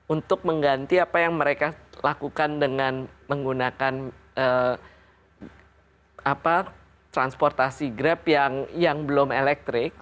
untuk mengganti apa yang mereka lakukan dengan menggunakan transportasi grab yang belum elektrik